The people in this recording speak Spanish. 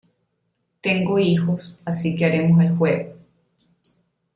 Tengo hijos, así que haremos el juego.